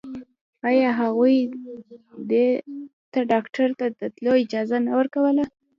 آيا هغوی دې ته ډاکتر ته د تلو اجازه نه ورکوله.